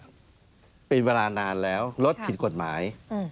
สอนอทุกที่นั้นเป็นเวลานานแล้วรถผิดกฎหมาย